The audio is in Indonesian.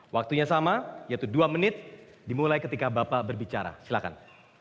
waktunya sama yaitu dua menit dimulai ketika bapak berbicara silahkan